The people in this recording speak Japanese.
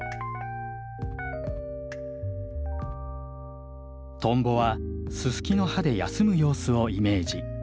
トンボはススキの葉で休む様子をイメージ。